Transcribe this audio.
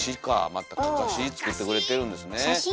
またかかし作ってくれてるんですね。